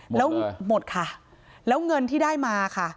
แล้วหมดค่ะแล้วเงินที่ได้มาค่ะ